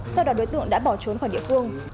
sau đó đối tượng đã bỏ trốn khỏi địa phương